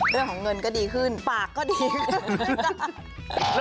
เรื่องของเงินก็ดีขึ้นปากก็ดีขึ้น